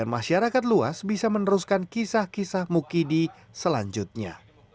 masyarakat luas bisa meneruskan kisah kisah mukidi selanjutnya